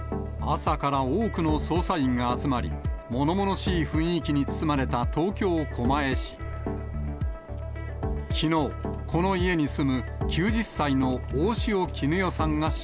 朝から多くの捜査員が集まり、ものものしい雰囲気に包まれた東京・狛江市。